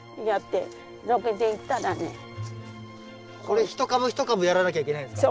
これ一株一株やらなきゃいけないんですか？